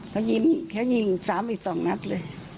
เขายิงแค่ยิงสามอีกสองนัดเลย